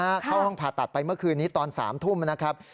เข้าห้องผ่าตัดไปเมื่อคืนนี้ตอน๓ทุ่มนะครับ